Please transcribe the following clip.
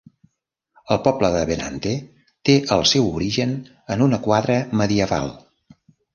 El poble de Benante té el seu origen en una quadra medieval.